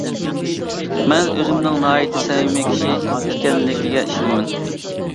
مەن ئۆزۈمنىڭ ناھايىتى سەمىمىي كىشى ئىكەنلىكىگە ئىشىنىمەن.